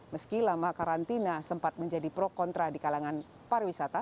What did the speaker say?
meski lama karantina sempat menjadi pro kontra di kalangan pariwisata